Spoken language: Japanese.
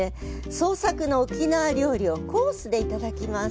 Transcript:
創作の沖縄料理をコースでいただきます。